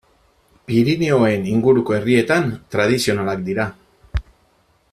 Pirinioen inguruko herrietan tradizionalak dira.